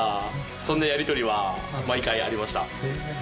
そんなやりとりは毎回ありました。